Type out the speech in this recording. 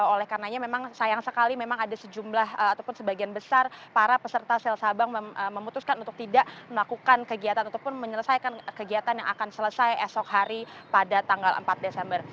oleh karenanya memang sayang sekali memang ada sejumlah ataupun sebagian besar para peserta sel sabang memutuskan untuk tidak melakukan kegiatan ataupun menyelesaikan kegiatan yang akan selesai esok hari pada tanggal empat desember